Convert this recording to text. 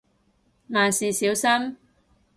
萬事小心